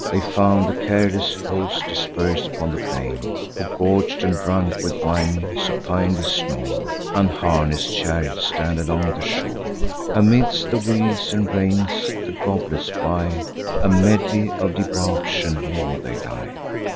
They found the careless host dispers'd upon the plain, Who, gorg'd, and drunk with wine, supinely snore. Unharness'd chariots stand along the shore: Amidst the wheels and reins, the goblet by, A medley of debauch and war, they lie.